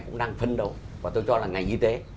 cũng đang phân đấu và tôi cho là ngành y tế